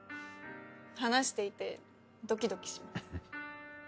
話していてドキドキします。